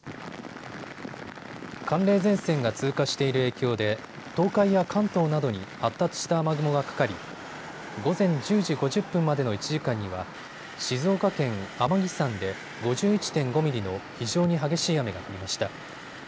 寒冷前線が通過している影響で東海や関東などに発達した雨雲がかかり午前１０時５０分までの１時間には静岡県天城山で５１．５ミリの非常に激しい雨が降りました。